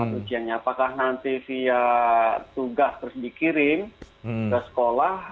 ujiannya apakah nanti via tugas terus dikirim ke sekolah